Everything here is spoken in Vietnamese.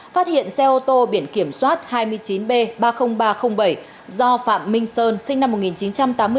phát hiện xe ô tô biển kiểm soát hai mươi chín b ba mươi nghìn ba trăm linh bảy do phạm minh sơn sinh năm một nghìn chín trăm tám mươi bốn